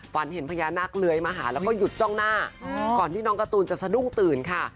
ฝันเห็นพญานาคเลื้อยมาหาแล้วก็หยุดจ้องหน้าก่อนที่น้องการ์ตูนจะสะดุ้งตื่นค่ะ